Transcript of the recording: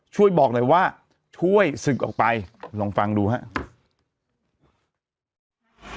ช่วยบอกหน่อยว่าช่วยศึกออกไปลองฟังดูครับ